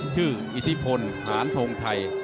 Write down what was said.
ชื่ออิทธีพลหานธงไทย